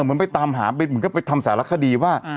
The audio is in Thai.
เออเหมือนไปตามหามันก็ไปทำสารคดีว่า